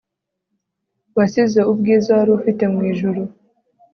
wasize ubwiza warufite mwijurru